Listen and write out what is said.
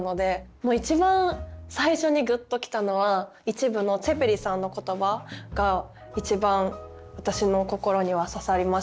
もう一番最初にぐっときたのは１部のツェペリさんの言葉が一番私の心には刺さりましたね。